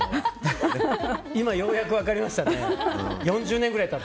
今、ようやく分かりましたね。